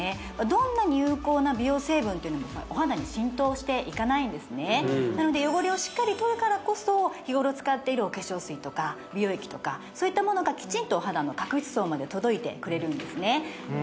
どんなに有効な美容成分もお肌に浸透していかないんですねなので汚れをしっかり取るからこそ日頃使っているお化粧水とか美容液とかそういったものがきちんとお肌の角質層まで届いてくれるんですね